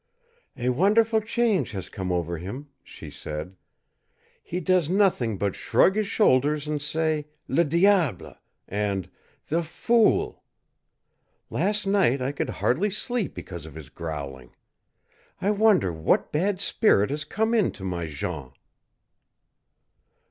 "A wonderful change has come over him," she said. "He does nothing but shrug his shoulders and say 'Le diable!' and 'The fool!' Last night I could hardly sleep because of his growling. I wonder what bad spirit has come into my Jean?"